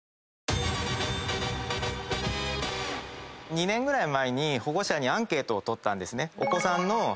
２年ぐらい前に保護者にアンケートを取ったんですね。